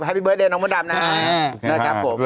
เบอร์เดทดีน้องมดดาร์บนะครับ